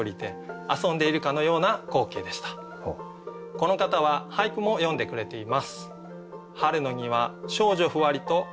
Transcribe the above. この方は俳句も詠んでくれています。